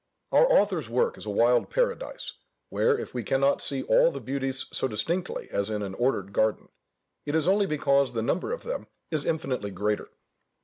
Our author's work is a wild paradise, where, if we cannot see all the beauties so distinctly as in an ordered garden, it is only because the number of them is infinitely greater.